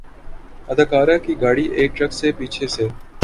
اداکارہ کی گاڑی ایک ٹرک سے پیچھے سے